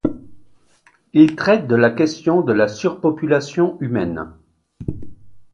Il traite de la question de la surpopulation humaine.